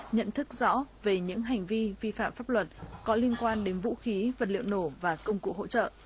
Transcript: nhận thức rõ về những hành vi vi phạm pháp luật có liên quan đến vũ khí vật liệu nổ và công cụ hỗ trợ